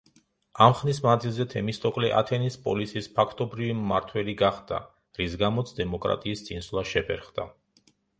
ამ ხნის მანძილზე თემისტოკლე ათენის პოლისის ფაქტობრივი მმართველი გახდა, რის გამოც დემოკრატიის წინსვლა შეფერხდა.